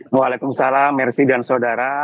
waalaikumsalam mersi dan saudara